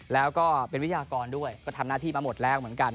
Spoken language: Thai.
แล้วก็เป็นวิทยากรด้วยก็ทำหน้าที่มาหมดแล้วเหมือนกัน